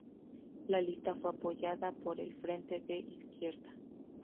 La lista fue apoyada por el Frente de Izquierda.